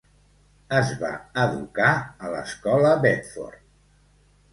Es va educar a l'escola Bedford.